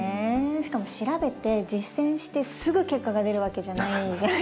しかも調べて実践してすぐ結果が出るわけじゃないじゃないですか